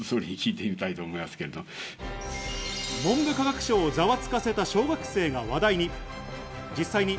文部科学省をザワつかせた小学生が話題に。